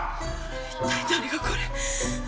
一体誰がこれ。